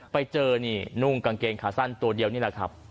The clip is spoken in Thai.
ไปเจอนี่นุ่งกางเกงขาสั้นตัวเดียวนี่แหละครับ